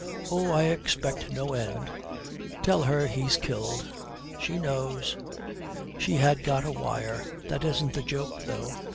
'Oh, I expect no end. Tell her he's killed.' 'She knows.' 'She had got a wire. That isn't the joke, though.